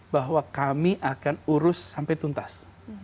bahwa kami akan urus sampai tuntas